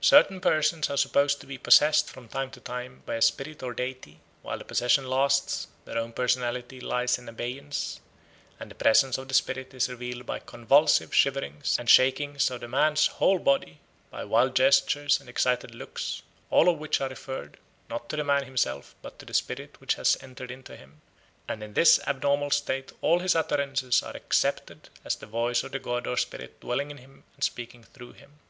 Certain persons are supposed to be possessed from time to time by a spirit or deity; while the possession lasts, their own personality lies in abeyance, the presence of the spirit is revealed by convulsive shiverings and shakings of the man's whole body, by wild gestures and excited looks, all of which are referred, not to the man himself, but to the spirit which has entered into him; and in this abnormal state all his utterances are accepted as the voice of the god or spirit dwelling in him and speaking through him.